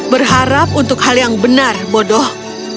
berharap untuk hal yang benar bodoh